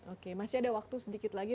oke masih ada waktu sedikit lagi